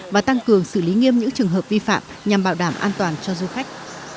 và tăng cường xử lý nghiêm những trường hợp vi phạm nhằm bảo đảm an toàn cho du khách